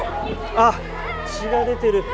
あっ血が出てる。